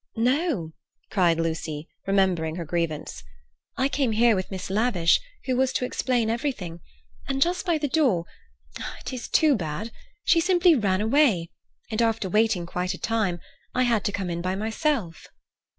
"No," cried Lucy, remembering her grievance. "I came here with Miss Lavish, who was to explain everything; and just by the door—it is too bad!—she simply ran away, and after waiting quite a time, I had to come in by myself."